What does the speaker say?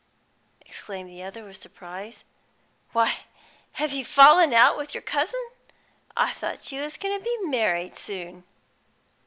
exclaimed the other, with surprise. "Why, have you fallen out with your cousin? I thought you was goin' to be married soon."